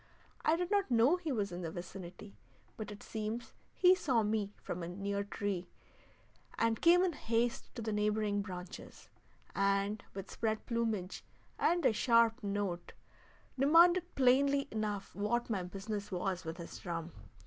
I did not know he was in the vicinity, but it seems he saw me from a near tree, and came in haste to the neighboring branches, and with spread plumage and a sharp note demanded plainly enough what my business was with his drum.